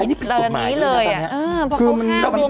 อันนี้ผิดหมายเลยนะตอนนี้